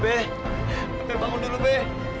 be be bangun dulu be